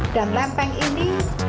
dan lempeng ini